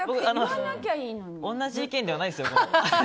同じ意見ではないですよ、僕。